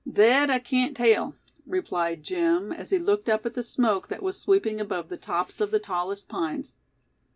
"Thet I kain't tell," replied Jim, as he looked up at the smoke that was sweeping above the tops of the tallest pines.